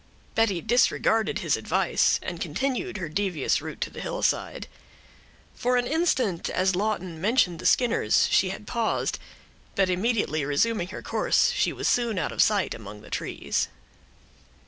Betty disregarded his advice, and continued her devious route to the hillside. For an instant, as Lawton mentioned the Skinners, she had paused, but immediately resuming her course, she was soon out of sight, among the trees.